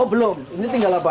oh belum ini tinggal apa